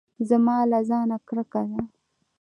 زما له ځانه کرکه ده .